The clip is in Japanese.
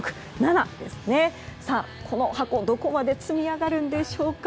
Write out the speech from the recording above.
この箱、どこまで積み上がるんでしょうか。